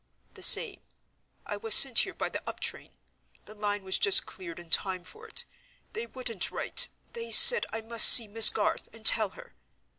"The same. I was sent here by the up train; the line was just cleared in time for it. They wouldn't write—they said I must see 'Miss Garth,' and tell her.